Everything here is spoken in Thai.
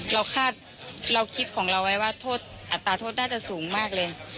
คาดเราคิดของเราไว้ว่าโทษอัตราโทษน่าจะสูงมากเลย